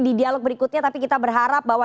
di dialog berikutnya tapi kita berharap bahwa